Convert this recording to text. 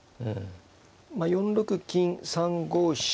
４六金３五飛車。